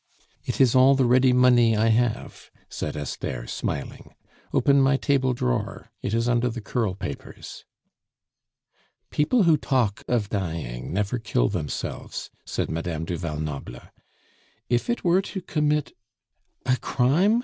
"It is all the ready money I have," said Esther, smiling. "Open my table drawer; it is under the curl papers." "People who talk of dying never kill themselves," said Madame du Val Noble. "If it were to commit " "A crime?